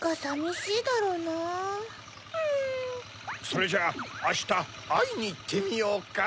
それじゃあしたあいにいってみようか。